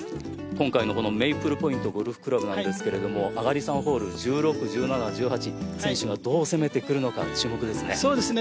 今回のメイプルポイントゴルフクラブなんですが上がり３ホール１６、１７、１８選手がどう攻めてくるのか注目ですね。